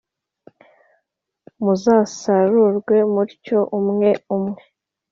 muzasarurwe mutyo, umwe umwe.